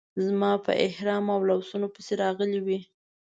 زما په احرام او لاسونو پسې راغلې وې.